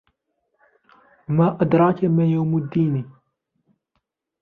وما أدراك ما يوم الدين